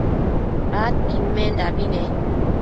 adquidmendabi ne